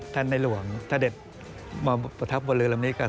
ท่านนายหลวงทะเด็ดมาประทับบนเรือลำนี้ก็คือ